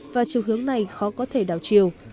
và chiều hướng này khó có thể đảo chiều